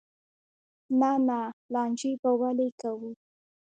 نه نه لانجې به ولې کوو.